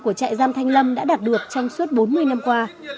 của trại giam thanh lâm đã đạt được trong suốt bốn mươi năm qua